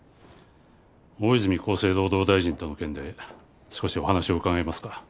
大泉厚生労働大臣との件で少しお話を伺えますか？